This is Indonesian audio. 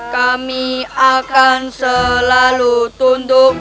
kami akan selalu tunduk